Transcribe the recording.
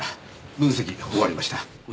分析終わりました。